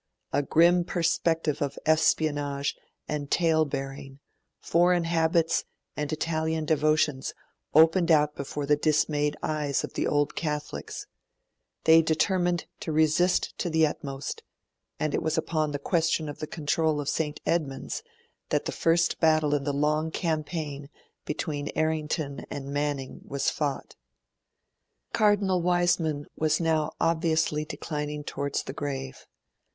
A grim perspective of espionage and tale bearing, foreign habits, and Italian devotions opened out before the dismayed eyes of the Old Catholics; they determined to resist to the utmost; and it was upon the question of the control of St. Edmund's that the first battle in the long campaign between Errington and Manning was fought. Cardinal Wiseman was now obviously declining towards the grave.